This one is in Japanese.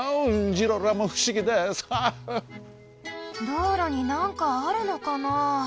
道路になんかあるのかな？